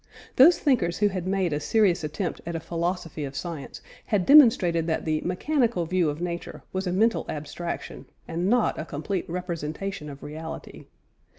Those thinkers who had made a serious attempt at a philosophy of science, had demonstrated that the "mechanical view" of nature was a mental abstraction, and not a complete representation of reality.